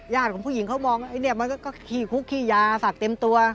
ญาติของผู้หญิงเขามองก็ขี่คุกขี่ยาศักดิ์เต็มตัว